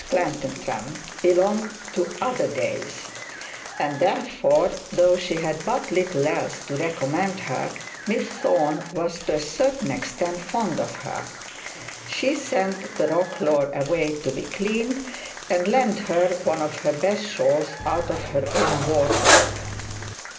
Mrs Clantantram belonged to other days, and therefore, though she had but little else to recommend her, Miss Thorne was to a certain extent fond of her. She sent the roquelaure away to be cleaned, and lent her one of her best shawls out of her own wardrobe.